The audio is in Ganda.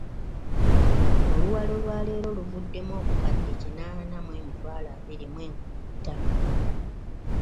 Oluwalo lwaleero luvuddemu obukadde kinaana mu emitwalo abiri mu enkumi ttaano.